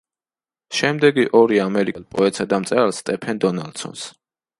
შემდეგი ორი ამერიკელ პოეტსა და მწერალს სტეფენ დონალდსონს.